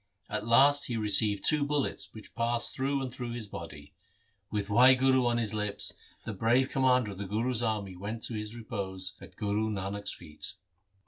At last he received two bullets which passed through and through his body. With Wahguru on his lips the brave commander of the Guru's army went to his repose at Guru Nanak's feet.